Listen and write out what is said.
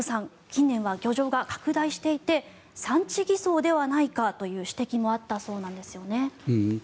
近年は漁場が拡大していて産地偽装ではないかという指摘もあったそうなんですよね。